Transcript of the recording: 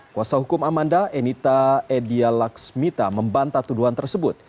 kuasa hukum amanda enita edia laxmita membanta tuduhan tersebut